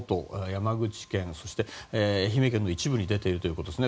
山口県、そして愛媛県の一部に出ているということです。